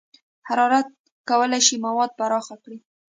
حرارت کولی شي مواد پراخ کړي.